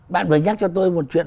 bạn vừa nhắc cho tôi một chuyện